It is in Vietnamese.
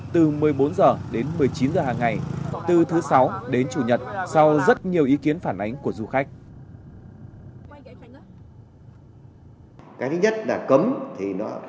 từ một mươi bốn h đến một mươi chín h hàng ngày từ thứ sáu đến chủ nhật sau rất nhiều ý kiến phản ánh của du khách